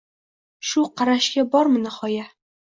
Shu qarashga bormi nihoya